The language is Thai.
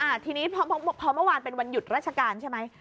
ทีนี้พอพอเมื่อวานเป็นวันหยุดราชการใช่ไหม